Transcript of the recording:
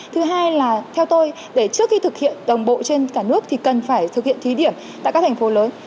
thứ hai là theo tôi để trước khi thực hiện đồng bộ trên cả nước thì cần phải thực hiện thí điểm tại các thành phố lớn